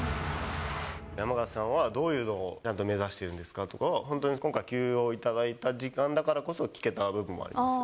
山縣さんは、どういうところを目指してるんですかとかは、本当に今回、休養を頂いた時間だからこそ、聞けた部分もあります。